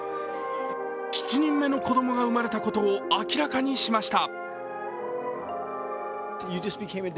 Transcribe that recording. ７人目の子供が生まれたことを明らかにしました。